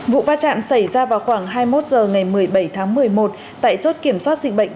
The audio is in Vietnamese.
vụ va chạm xảy ra vào khoảng hai mươi một h ngày một mươi bảy tháng một mươi một tại chốt kiểm soát dịch bệnh